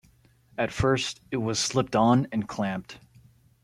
At first it was slipped on and clamped.